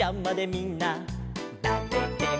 「みんなだれでも」